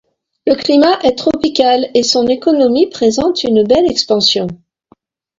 Le climat est tropical et son économie présente une belle expansion.